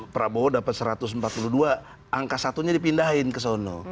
prabowo dapat satu ratus empat puluh dua angka satunya dipindahin ke sana